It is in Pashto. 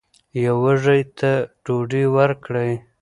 یو وږي ته ډوډۍ ورکړئ.